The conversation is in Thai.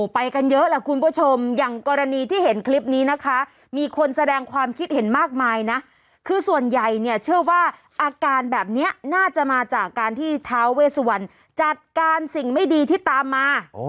ไปกันเยอะแหละคุณผู้ชมอย่างกรณีที่เห็นคลิปนี้นะคะมีคนแสดงความคิดเห็นมากมายนะคือส่วนใหญ่เนี่ยเชื่อว่าอาการแบบนี้น่าจะมาจากการที่ท้าเวสวันจัดการสิ่งไม่ดีที่ตามมา